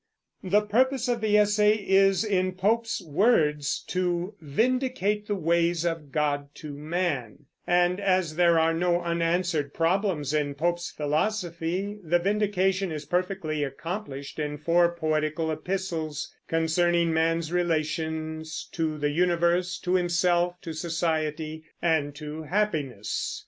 The purpose of the essay is, in Pope's words, to "vindicate the ways of God to Man"; and as there are no unanswered problems in Pope's philosophy, the vindication is perfectly accomplished in four poetical epistles, concerning man's relations to the universe, to himself, to society, and to happiness.